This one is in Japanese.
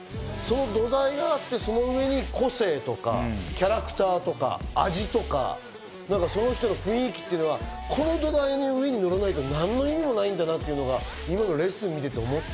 土台があって、その上に個性とかキャラクターとか味とか、その人の雰囲気っていうのが、この土台の上に乗らないと、何の意味もないんだなっていうのが今のレッスンを見てて思った。